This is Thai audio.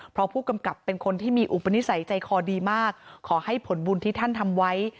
เพราะผู้กำกับเป็นคนที่มีอุปนิสัยใจคอดีมากขอให้ผลบุญที่ท่านทำไว้